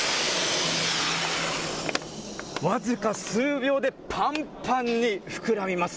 僅か数秒で、簡単に膨らみます。